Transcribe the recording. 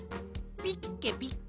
「ピッケピッケ」？